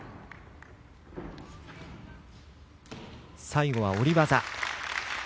最後は、下り技。